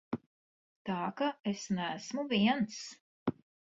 Tā ka es neesmu viens.